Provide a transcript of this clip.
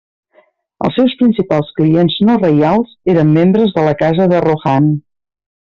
Els seus principals clients no reials eren membres de la casa de Rohan.